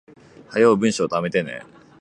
早う文章溜めてね